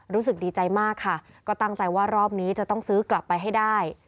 รู้สึกดีใจมากค่ะก็ตั้งใจว่ารอบนี้จะต้องซื้อกลับไปให้ได้